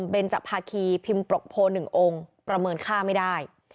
เบนจภาคีพิมพ์ปรกโพ๑องค์ประเมินค่าไม่ได้